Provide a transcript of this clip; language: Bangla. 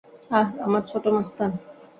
আহ, আমার ছোট মাস্তান।